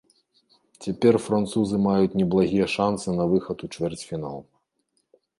Цяпер французы маюць неблагія шансы на выхад у чвэрцьфінал.